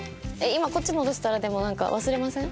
今こっち戻したらでもなんか忘れません？